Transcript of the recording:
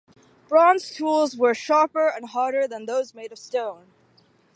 Bronze tools were sharper and harder than those made of stone.